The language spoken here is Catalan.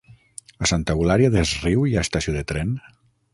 A Santa Eulària des Riu hi ha estació de tren?